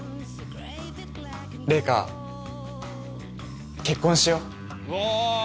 玲香結婚しよう。